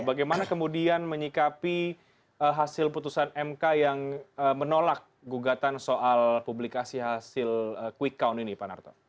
bagaimana kemudian menyikapi hasil putusan mk yang menolak gugatan soal publikasi hasil quick count ini pak narto